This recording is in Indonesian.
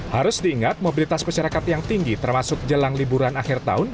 harus diingat mobilitas masyarakat yang tinggi termasuk jelang liburan akhir tahun